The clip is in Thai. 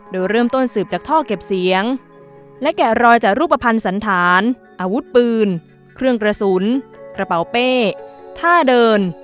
โดยเริ่มต้นสืบจากท่อเก็บเสียงและแกะรอยจากรูปภัณฑ์สันธารอาวุธปืนเครื่องกระสุนกระเป๋าเป้ท่าเดิน